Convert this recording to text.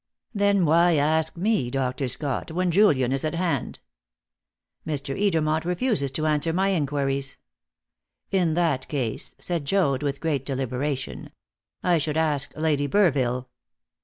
"Then, why ask me, Dr. Scott, when Julian is at hand?" "Mr. Edermont refuses to answer my inquiries." "In that case," said Joad, with great deliberation, "I should ask Lady Burville."